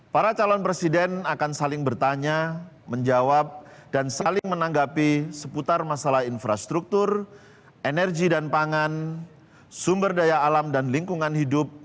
para calon presiden akan saling bertanya menjawab dan saling menanggapi seputar masalah infrastruktur energi dan pangan sumber daya alam dan lingkungan hidup